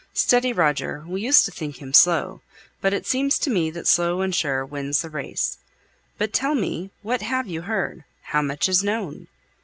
Steady Roger; we used to think him slow, but it seems to me that slow and sure wins the race. But tell me; what have you heard? how much is known?